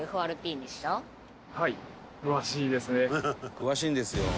「詳しいんですよ」